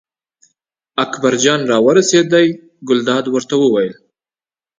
اکبرجان راورسېد، ګلداد ورته وویل.